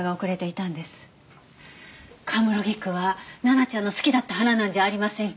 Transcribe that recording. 神室菊は奈々ちゃんの好きだった花なんじゃありませんか？